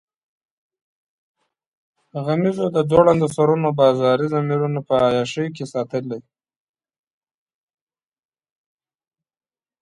غمیزو د ځوړندو سرونو بازاري ضمیرونه په عیاشۍ کې ساتلي.